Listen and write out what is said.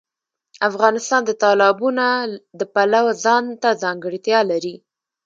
افغانستان د تالابونه د پلوه ځانته ځانګړتیا لري.